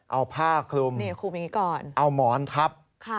เอาผ้าคลุมเอาหมอนทับ